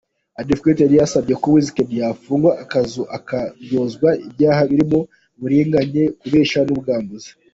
Advocates’, yari yasabye ko Wizkid yafungwa akaryozwa ibyaha birimo uburiganya, kubeshya n’ubwambuzi.